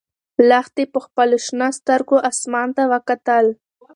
لښتې په خپلو شنه سترګو اسمان ته وکتل.